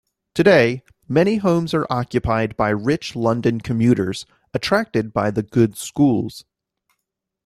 Today, many homes are occupied by rich London commuters, attracted by the good schools.